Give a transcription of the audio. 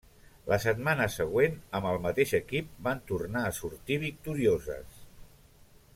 La setmana següent amb el mateix equip van tornar a sortir victorioses.